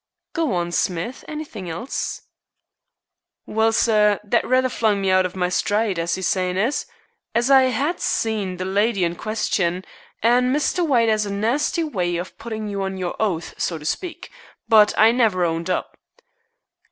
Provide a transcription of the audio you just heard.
"Go on, Smith. Anything else?" "Well, sir, that rather flung me out of my stride, as the sayin' is, as I 'ad seen the lydy in question. An' Mr. White 'as a nasty way of putting you on your oath, so to speak. But I never owned up."